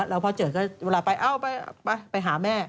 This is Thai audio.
แล้วพอเจอก็เวลาไปเอ้าไปหาแม่